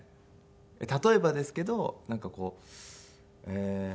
例えばですけどなんかこうええー。